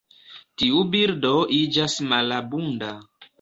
Tiu birdo iĝas malabunda.